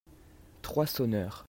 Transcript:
Trois sonneurs.